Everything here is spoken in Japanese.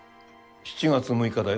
７月６日だよ。